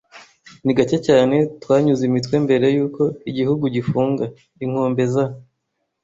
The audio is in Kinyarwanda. Ni gake cyane twanyuze imitwe mbere yuko igihugu gifunga. Inkombe za